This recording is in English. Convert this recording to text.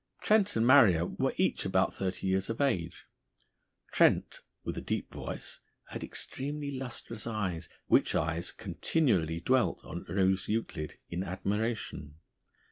Trent and Marrier were each about thirty years of age. Trent, with a deep voice, had extremely lustrous eyes, which eyes continually dwelt on Rose Euclid in admiration.